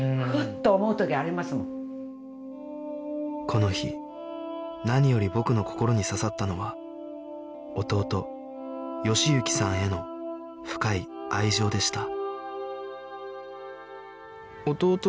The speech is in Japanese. この日何より僕の心に刺さったのは弟喜之さんへの深い愛情でした